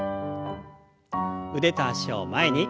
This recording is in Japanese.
腕と脚を前に。